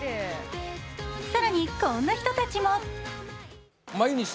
更に、こんな人たちも。